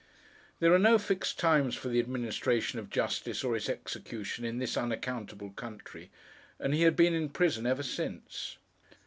There are no fixed times for the administration of justice, or its execution, in this unaccountable country; and he had been in prison ever since.